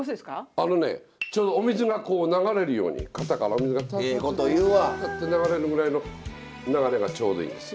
あのねちょうどお水が流れるように肩からお水がタタタタって流れるぐらいの流れがちょうどいいんです。